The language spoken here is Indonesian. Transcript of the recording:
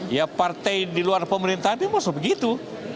ya partai di luar pemerintah ini maksudnya begitu